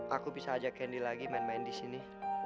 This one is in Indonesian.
aku bisa ajak candy lagi main main disini